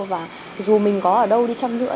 và dù mình có ở đâu đi chăm nữa